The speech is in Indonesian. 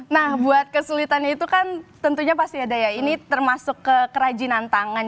nah buat kesulitannya itu kan tentunya pasti ada ya ini termasuk kerajinan tangan